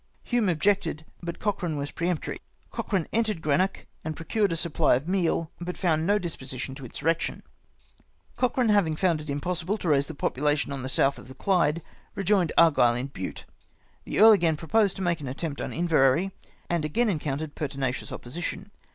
Hume objected, but Cochrane was peremptory. Cochrane entered Greenock, and procured a supply of meal, but found no disposition to insurrection. " Cochrane having found it impossible to raise the popula tion on the south of the Clyde, rejoined Argyle in Bute. The Earl again proposed to make an attempt on Inverary, and again encountered pertinacious opposition.